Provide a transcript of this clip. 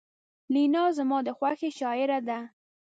لینا زما د خوښې شاعره ده